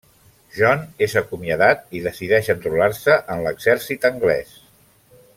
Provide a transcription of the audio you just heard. John és acomiadat i decideix enrolar-se en l'exèrcit anglès.